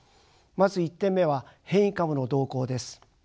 まず１点目は変異株の動向です。